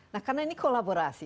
nah karena ini kolaborasi